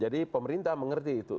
jadi pemerintah mengerti itu